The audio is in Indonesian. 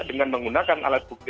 dengan menggunakan alat bukti